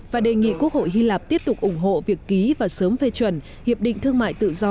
và đề nghị quốc hội hy lạp tiếp tục ủng hộ việc ký và sớm phê chuẩn hiệp định thương mại tự do